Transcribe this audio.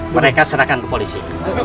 mereka serahkan ke polisi